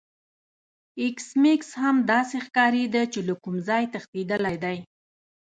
ایس میکس هم داسې ښکاریده چې له کوم ځای تښتیدلی دی